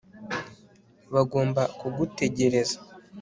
bagomba kugutegereza